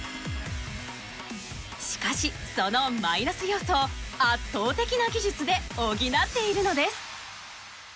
しかしそのマイナス要素を圧倒的な技術で補っているのです。